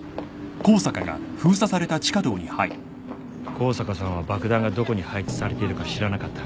香坂さんは爆弾がどこに配置されているか知らなかった。